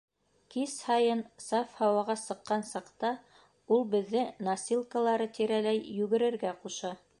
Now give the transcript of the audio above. Кис һайын, саф һауаға сыҡҡан саҡта, ул беҙҙе носилкалары тирәләй йүгерергә ҡуша.